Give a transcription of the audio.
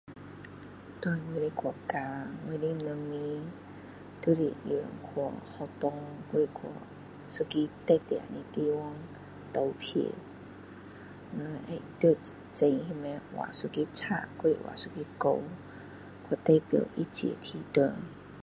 就是用去学校对我的国家我的人民就是用学校还是去一个特定的地方投票会在纸上面画一个叉还是画一个勾去代表他支持谁